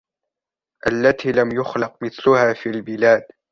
الَّتِي لَمْ يُخْلَقْ مِثْلُهَا فِي الْبِلَادِ